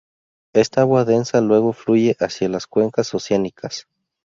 Esta agua densa luego fluye hacia las cuencas oceánicas.